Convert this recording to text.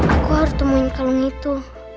aku harus temuin kalung itu